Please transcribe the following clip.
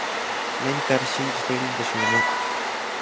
何から信じていいんでしょうね